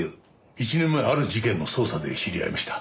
１年前ある事件の捜査で知り合いました。